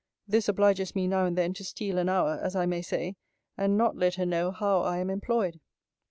This obliges me now and then to steal an hour, as I may say, and not let her know how I am employed.